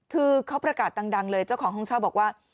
คือเขาประกาศดังเลยเจ้าของห้องเช่าบอกว่า